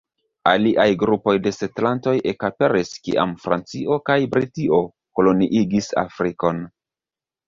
Aliaj grupoj de setlantoj ekaperis kiam Francio kaj Britio koloniigis Afrikon.